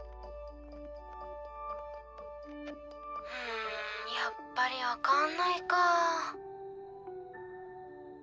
「んやっぱりわかんないか」。